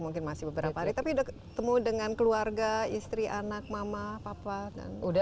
mungkin masih beberapa hari tapi udah ketemu dengan keluarga istri anak mama papa dan udah